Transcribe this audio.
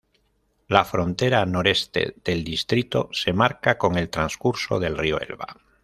La frontera noreste del distrito se marca con el transcurso del río Elba.